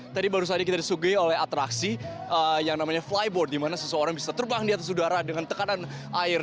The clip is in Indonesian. tadi baru saja kita disuguhi oleh atraksi yang namanya flyboard di mana seseorang bisa terbang di atas udara dengan tekanan air